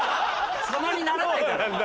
様にならないだろ。